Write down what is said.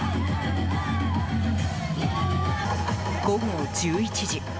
午後１１時。